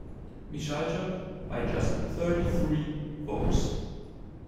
Michalchuk by just thirty-three votes.